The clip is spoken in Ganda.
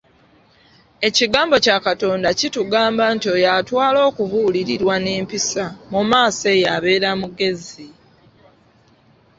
"Ekigambo kya Katonda kitugamba nti oyo atwala okubuulirirwa n'empisa, mu maaso eyo abeera mugezi."